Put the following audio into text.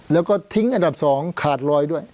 แล้วก็ทิ้งอันดับ๒ขาดรอยด้วย